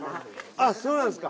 ・あっそうなんですか。